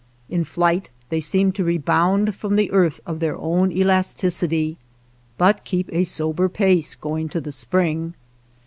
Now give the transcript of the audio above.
In flight they seem to rebound from the earth of their own elasticity, but keep a sober pace going to the spring.